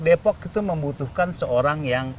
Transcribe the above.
depok itu membutuhkan seorang yang